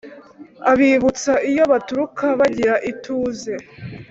Abibutsa iyo baturuka bagira ituze